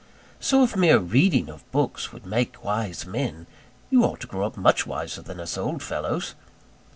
So if mere reading of books would make wise men, you ought to grow up much wiser than us old fellows.